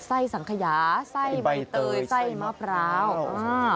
ไส้สังขยาไส้บริเตยไส้มะปราว